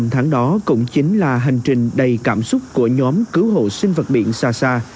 năm tháng đó cũng chính là hành trình đầy cảm xúc của nhóm cứu hộ sinh vật biển xa xa